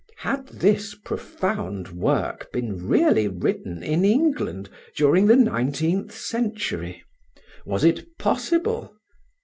Had this profound work been really written in England during the nineteenth century? Was it possible?